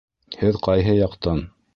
Һеҙ ҡайһы яҡтан?